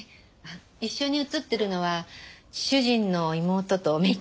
一緒に写っているのは主人の妹と姪っ子です。